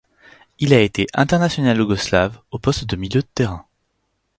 Il a été international yougoslave au poste de milieu de terrain.